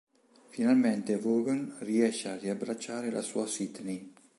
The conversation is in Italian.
Finalmente Vaughn riesce a riabbracciare la sua Sydney.